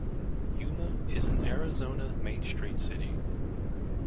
Yuma is an Arizona Main Street City.